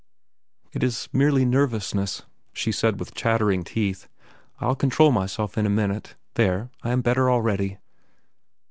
"It is merely nervousness," she said with chattering teeth. "I'll control myself in a minute. There, I am better already."